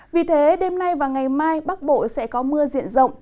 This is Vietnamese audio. vì thế đêm nay và ngày mai bắc bộ sẽ có mưa diện rộng